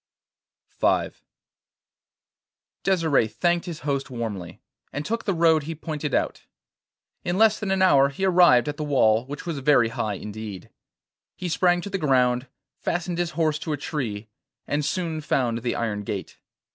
V Desire thanked his host warmly, and took the road he pointed out. In less than an hour he arrived at the wall, which was very high indeed. He sprang to the ground, fastened his horse to a tree, and soon found the iron gate.